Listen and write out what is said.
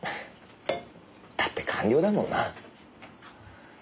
だって官僚だもんな。